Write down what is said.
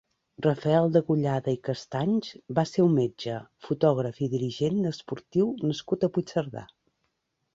Rafael Degollada i Castanys va ser un metge, fotògraf i dirigent esportiu nascut a Puigcerdà.